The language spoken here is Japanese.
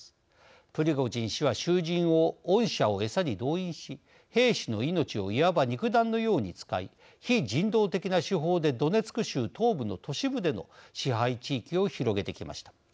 プリゴジン氏は囚人を恩赦を餌に動員し兵士の命をいわば肉弾のように使い非人道的な手法でドネツク州東部の都市部での支配地域を広げてきました。